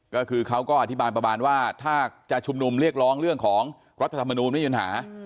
ก็คือเขาก็อธิบายประมาณว่าถ้าจะชุมนุมเรียกร้องเรื่องของรัฐธรรมนูลไม่มีปัญหา